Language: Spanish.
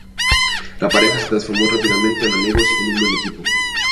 La pareja se transformó rápidamente en amigos y en un buen equipo.